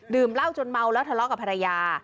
เหล้าจนเมาแล้วทะเลาะกับภรรยา